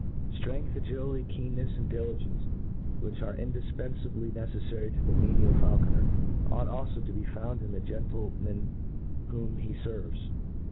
Strength, agiUty, keennefs, an4 diligence, which are indifpenfably neceffary to the menial feulconer, oiight ^Ifo to be found in the gentle man whom he feryes.